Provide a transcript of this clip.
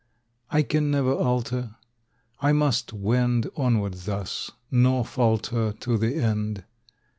I can never alter; I must wend Onward, thus, nor falter To the end.